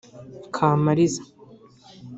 Kamaliza